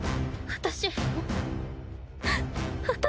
私！